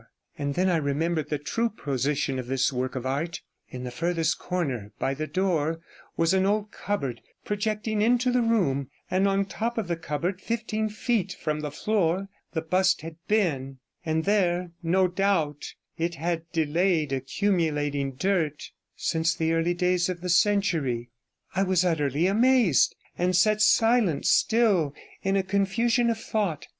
And then I remembered the true position of this work of art; in the furthest corner by the door was an old cupboard, projecting into the room, and on the top of the cupboard, fifteen feet from the floor, the bust had been, and there, no doubt, it had delayed, accumulating dirt, since the early days of the century. 66 I was utterly amazed, and sat silent, still in a confusion of thought.